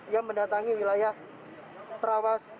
yang mendatangi wilayah trawas